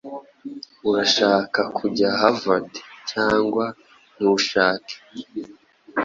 Urashaka kujya Harvard cyangwa ntushake?